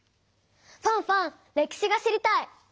ファンファン歴史が知りたい！